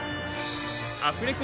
アフレコ